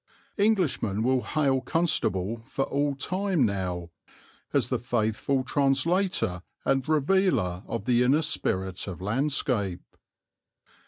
Englishmen will hail Constable for all time now as the faithful translator and revealer of the inner spirit of landscape.